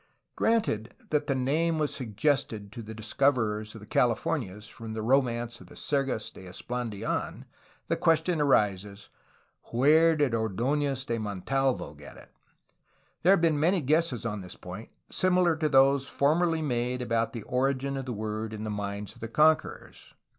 '* Granted that the name was suggested to the discoverers of the Californias from the romance of the Sergas de Esplan didn the question arises: Where did Ord6nez de Montalvo get it? There have been many guesses on this point similar to those formerly made about the origin of the word in the minds of the conquerors.